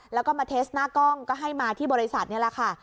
แล้วก็มาเทสหน้ากล้องก็ให้มาที่บริษัทนี่แหละค่ะ